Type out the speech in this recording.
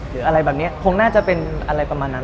หรืออะไรแบบนี้คงน่าจะเป็นอะไรประมาณนั้น